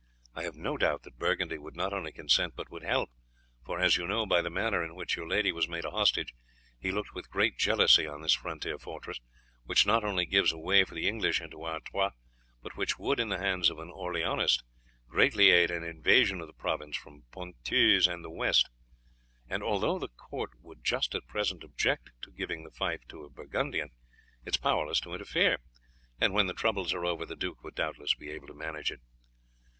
I have no doubt that Burgundy would not only consent, but would help, for, as you know by the manner in which your lady was made a hostage, he looked with great jealousy on this frontier fortress, which not only gives a way for the English into Artois, but which would, in the hands of an Orleanist, greatly aid an invasion of the province from Pontoise and the west. And, although the court would just at present object to give the fief to a Burgundian, it is powerless to interfere, and when the troubles are over, the duke would doubtless be able to manage it."